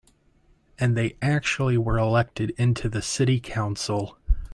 And they actually were elected into the city council.